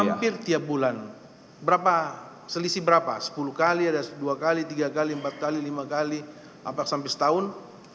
hampir tiap bulan berapa selisih berapa sepuluh kali ada dua kali tiga kali empat kali lima kali sampai setahun